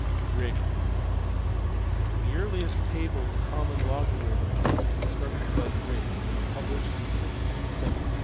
Briggs. The earliest table of common logarithms was con structed by Briggs and published in 1617 (see above, p.